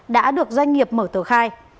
đã được doanh nghiệp mở tờ khai